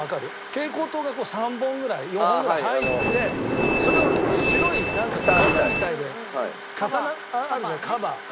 蛍光灯が３本ぐらい４本ぐらい入っててそれを白いかさみたいであるじゃないカバー。